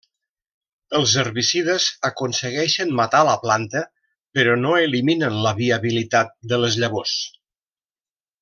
Els herbicides aconsegueixen matar la planta però no eliminen la viabilitat de les llavors.